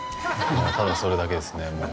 もう、ただそれだけですね。